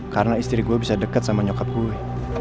karena istri gua bisa deket sama nyokap gue